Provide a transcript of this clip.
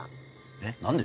えっ何で？